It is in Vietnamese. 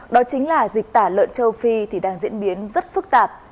đó chính là dịch tả lợn châu phi thì đang diễn biến rất phức tạp